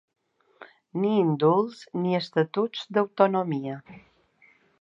Ni indults, ni estatuts d’autonomia.